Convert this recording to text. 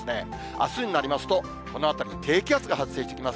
あすになりますと、この辺りに低気圧が発生してきます。